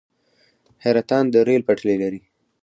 حیرتان د ریل پټلۍ لري